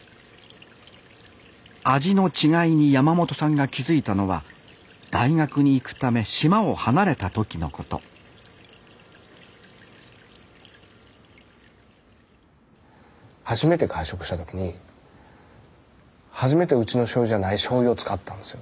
味の違いに山本さんが気付いたのは大学に行くため島を離れた時のこと初めて外食した時に初めてうちのしょうゆじゃないしょうゆを使ったんですよ